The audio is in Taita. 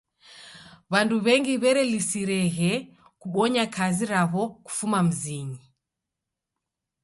W'andu w'engi w'erelisireghe kubonya kazi raw'o kufuma mzinyi.